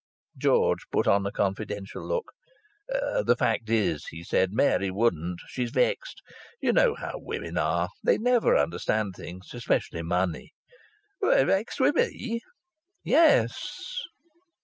George put on a confidential look. "The fact is," said he, "Mary wouldn't. She's vexed. You know how women are. They never understand things especially money." "Vexed with me?" "Yes."